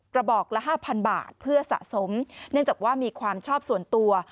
กระบอกละ๕๐๐บาทเพื่อสะสมเนื่องจากว่ามีความชอบส่วนตัว